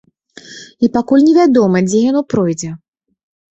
І пакуль не вядома, дзе яно пройдзе.